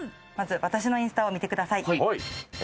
まず私のインスタを見てください。